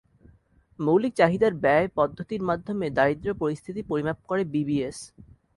মৌলিক চাহিদার ব্যয় পদ্ধতির মাধ্যমে দারিদ্র্য পরিস্থিতি পরিমাপ করে বিবিএস।